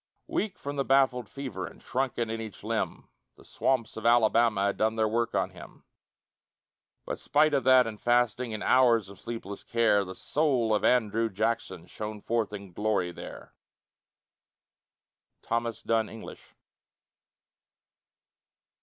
Weak from the baffled fever, And shrunken in each limb, The swamps of Alabama Had done their work on him; But spite of that and fasting, And hours of sleepless care, The soul of Andrew Jackson Shone forth in glory there. THOMAS DUNN ENGLISH.